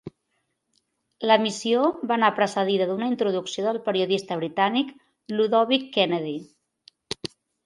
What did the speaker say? L'emissió va anar precedida d'una introducció del periodista britànic Ludovic Kennedy.